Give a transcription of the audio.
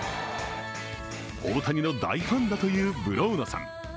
大谷の大ファンだというブローナさん。